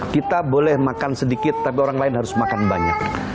kita boleh makan sedikit tapi orang lain harus makan banyak